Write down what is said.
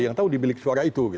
yang tahu dimiliki suara itu